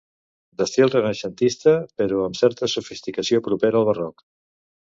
D'estil renaixentista però amb certa sofisticació propera al barroc.